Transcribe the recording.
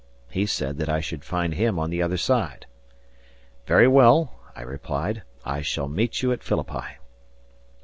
He said that I should find him on the other side. "Very well," I replied, "I shall meet you at Philippi."